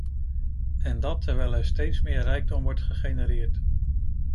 En dat terwijl er steeds meer rijkdom wordt gegenereerd.